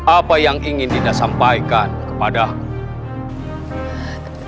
apa yang ingin dinda sampaikan kepada aku